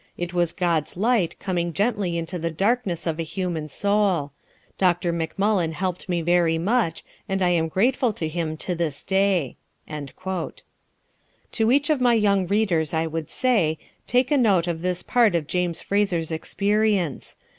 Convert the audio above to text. It was God's light coming gently into the darkness of a human soul. Dr. McMullen helped me very much, and I am grateful to him to this day." To each of my young readers I would say, take a note of this part of James Fraser's experience.